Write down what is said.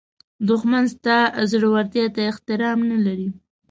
دښمن ستا زړورتیا ته احترام نه لري